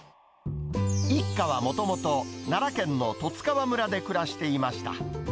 一家はもともと奈良県の十津川村で暮らしていました。